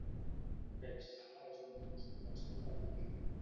Pep Sala és un músic nascut a Vic.